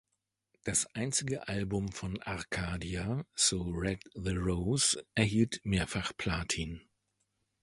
Das einzige Album von Arcadia, "So Red the Rose", erhielt mehrfach Platin.